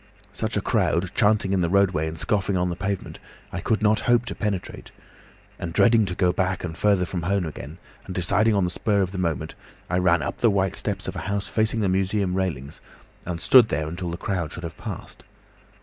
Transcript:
Such a crowd, chanting in the roadway and scoffing on the pavement, I could not hope to penetrate, and dreading to go back and farther from home again, and deciding on the spur of the moment, I ran up the white steps of a house facing the museum railings, and stood there until the crowd should have passed.